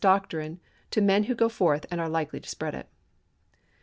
doctrine to men who go forth and are likely to spread it."